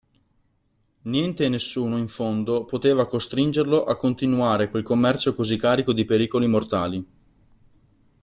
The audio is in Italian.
Niente e nessuno in fondo poteva costringerlo a continuare quel commercio così carico di pericoli mortali.